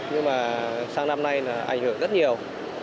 nhưng mà sang năm nay là ảnh hưởng rất nhiều